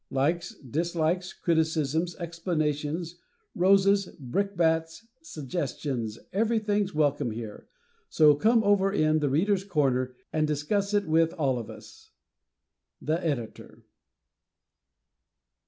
Likes, dislikes, criticisms, explanations, roses, brickbats, suggestions everything's welcome here; so "come over in 'The Readers' Corner'" and discuss it with all of us! _The Editor.